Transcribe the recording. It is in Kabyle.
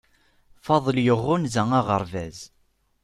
Faḍel yeɣɣunza aɣerbaz